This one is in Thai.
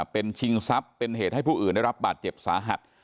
เป็นชิงทรัพย์เป็นเหตุให้ผู้อื่นได้รับบาดเจ็บสาหัส